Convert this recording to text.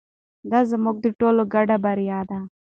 دا زموږ د ټولو ګډه بریا ده.